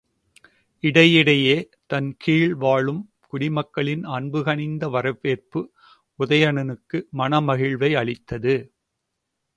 இடைஇடையே தன் கீழ் வாழும் குடி மக்களின் அன்பு கனிந்த வரவேற்பு உதயணனுக்கு மனகிழ்வை அளித்தது.